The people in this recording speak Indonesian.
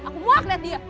aku mau ngeliat dia